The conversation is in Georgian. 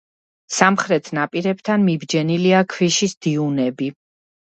სამხრეთ ნაპირებთან მიბჯენილია ქვიშის დიუნები.